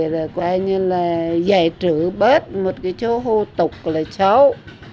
rồi là giải trữ bớt một cái chỗ hù tục là xấu